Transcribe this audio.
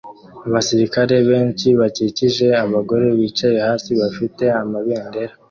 Abasirikare benshi bakikije abagore bicaye hasi bafite amabendera